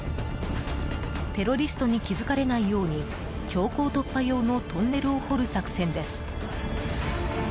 テロリストに気付かれないように強行突破用のトンネルを掘る作戦です。